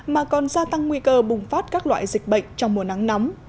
mà còn gia tăng nguy cơ bùng phát các loại dịch bệnh trong mùa nắng nóng